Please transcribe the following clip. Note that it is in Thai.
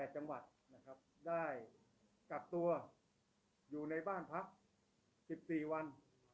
๘จังหวัดได้กลับตัวอยู่ในบ้านพัก๑๔วัน